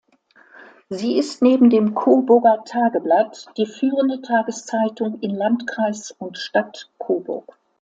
Sie ist neben dem "Coburger Tageblatt" die führende Tageszeitung in Landkreis und Stadt Coburg.